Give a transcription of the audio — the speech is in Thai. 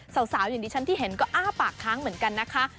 สาวอย่างที่ฉันที่เห็นก็อ้าปากค้างเหมือนกันนะคะ